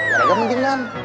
gak ada kepentingan